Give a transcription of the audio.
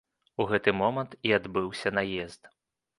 У гэты момант і адбыўся наезд.